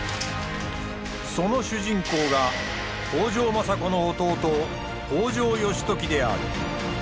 その主人公が北条政子の弟北条義時である。